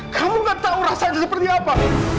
kamu gak tahu rasa dia seperti apa